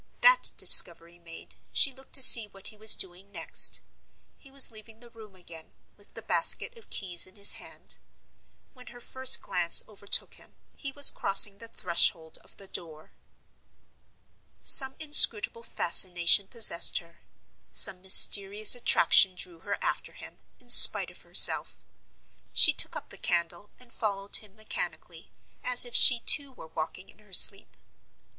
That discovery made, she looked to see what he was doing next. He was leaving the room again, with the basket of keys in his hand. When her first glance overtook him, he was crossing the threshold of the door. Some inscrutable fascination possessed her, some mysterious attraction drew her after him, in spite of herself. She took up the candle and followed him mechanically, as if she too were walking in her sleep.